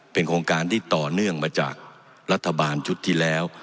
เป็นโครงการที่ต่อเนื่องมาจากรัฐบาลชุดที่แล้ว